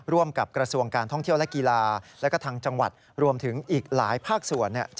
ร่วมกับกระทรวงการท่องเที่ยวและกีฬาและก็ทางจังหวัดรวมถึงอีกหลายภาคส่วน